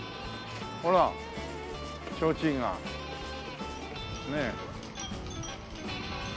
ほらちょうちんがねえ。